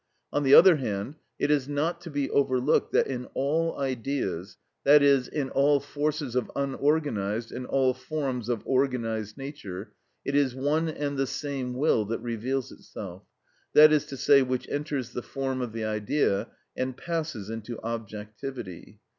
On the other hand, it is not to be overlooked that in all Ideas, that is, in all forces of unorganised, and all forms of organised nature, it is one and the same will that reveals itself, that is to say, which enters the form of the idea and passes into objectivity.